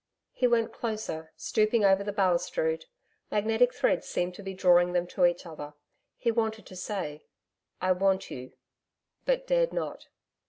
He went closer, stooping over the balustrade. Magnetic threads seemed to be drawing them to each other. He wanted to say, 'I want you,' but dared not.